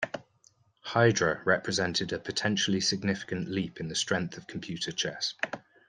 Hydra represented a potentially significant leap in the strength of computer chess.